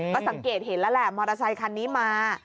ก็สังเกตเห็นแล้วแหละมอเตอร์ไซคันนี้มา